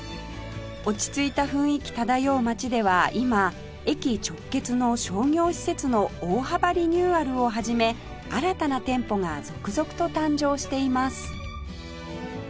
落ち着いた雰囲気漂う街では今駅直結の商業施設の大幅リニューアルを始め新たな店舗が続々と誕生しています